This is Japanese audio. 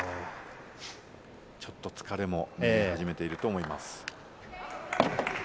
ちょっと疲れも見え始めていると思います。